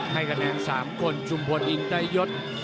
ให้กระแนน๓คนชุมพลอิงได้ยศ